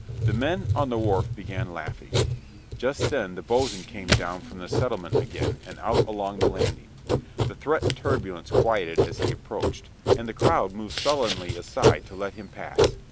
The men on the wharf began laughing. Just then the boatswain came down from the settlement again, and out along the landing. The threatened turbulence quieted as he approached, and the crowd moved sullenly aside to let him pass.